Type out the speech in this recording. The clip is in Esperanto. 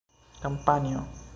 kampanjo